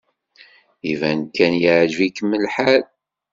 Iban kan yeɛjeb-iken lḥal.